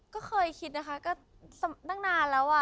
ก็เคยคิดนะคะก็ตั้งนานแล้วอ่ะ